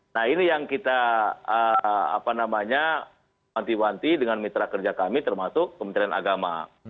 nah ini yang kita apa namanya manti manti dengan mitra kerja kami termasuk kementerian agama